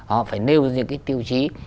họ phải nêu những cái tiêu chí